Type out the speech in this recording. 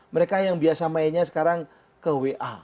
mereka yang biasa mainnya sekarang ke wa